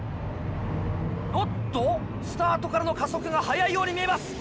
おっとスタートからの加速が速いように見えます。